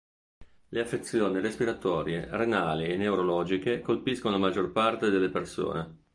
Le affezioni respiratorie, renali e neurologiche colpiscono la maggior parte delle persone.